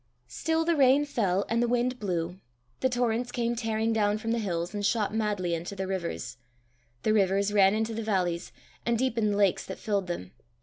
Still the rain fell and the wind blew; the torrents came tearing down from the hills, and shot madly into the rivers; the rivers ran into the valleys, and deepened the lakes that filled them.